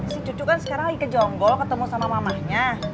si cucu kan sekarang lagi ke jonggol ketemu sama mamahnya